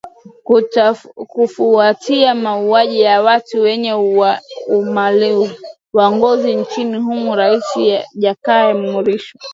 kufuatia mauaji ya watu wenye ulemavu wa ngozi nchini humo rais jakaya mrisho